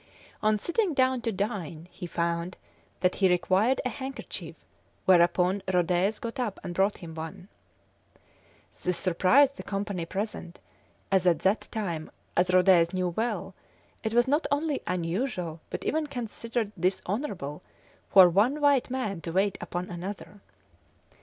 On sitting down to dine, he found that he required a handkerchief, whereupon Rhodez got up and brought him one. This surprised the company present, as at that time, as Rhodez knew well, it was not only unusual, but even considered dishonourable, for one white man to wait upon another.